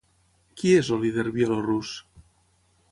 Qui és el líder bielorús?